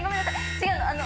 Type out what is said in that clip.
違うの！